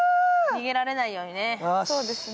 逃げられないようにね。